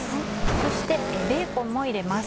そしてベーコンも入れます。